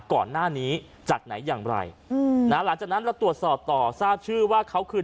ก่อนหน้านี้จากไหนอย่างไรอืมนะหลังจากนั้นเราตรวจสอบต่อทราบชื่อว่าเขาคือ